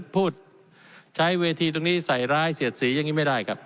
พูดใช้เวทีตรงนี้ใส่ร้ายเสียดสีอย่างนี้ไม่ได้ครับ